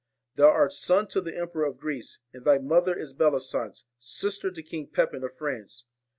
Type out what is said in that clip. Thou art son to the Emperor of Greece, and thy mother is Bellisance, sister to King Pepin of France.